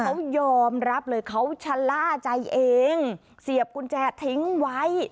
เขายอมรับเลยเขาชะล่าใจเองเสียบกุญแจทิ้งไว้